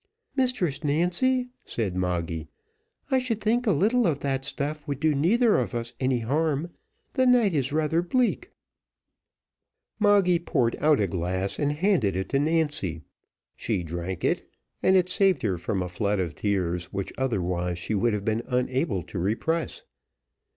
"Mistress Nancy," said Moggy, "I should think a little of that stuff would do neither of us any harm; the night is rather bleak." Moggy poured out a glass and handed it to Nancy; she drank it, and it saved her from a flood of tears, which otherwise she would have been unable to repress.